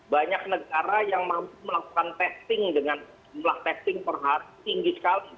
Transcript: banyak negara yang mampu melakukan testing dengan jumlah testing per hari tinggi sekali